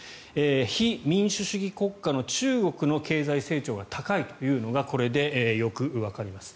非民主主義国家の中国の経済成長が高いというのがこれでよくわかります。